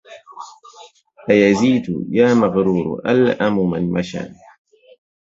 أيزيد يا مغرور ألأم من مشى